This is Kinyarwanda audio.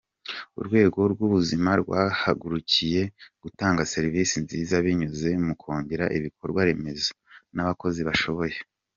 Urwego rw’ubuzima rwahagurukiye gutanga serivisi nziza binyuze mu kongera ibikorwaremezo n’abakozi bashoboye.